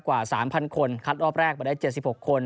กว่า๓๐๐คนคัดรอบแรกมาได้๗๖คน